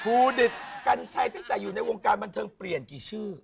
ดึกกัญชัยตั้งแต่อยู่ในวงการบันเทิงเปลี่ยนกี่ชื่อ